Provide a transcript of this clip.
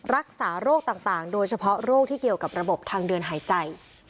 รักษาโรคต่างโดยเฉพาะโรคที่เกี่ยวกับระบบทางเดินหายใจ